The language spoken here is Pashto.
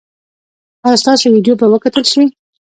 ایا ستاسو ویډیو به وکتل شي؟